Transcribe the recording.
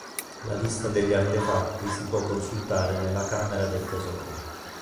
La lista degli artefatti si può consultare nella camera del tesoro.